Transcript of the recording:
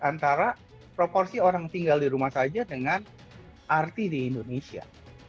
antara proporsi orang tinggal di rumah saja dengan arti di indonesia